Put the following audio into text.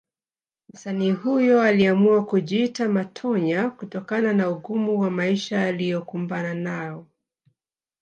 Msanii huyo aliamua kujiita Matonya kutokana na ugumu wa maisha aliokumbana nao